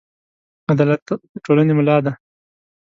عدالت د ټولنې ملا ده.